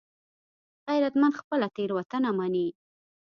غیرتمند خپله تېروتنه مني